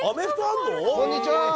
こんにちはー！